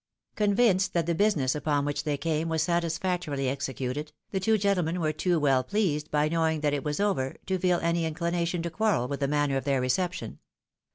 Convinced that the business upon which they came was satisfactorily executed, the two gentlemen were too well pleased by knowing that it was over to feel any inclination to quarrel with the manner of their reception.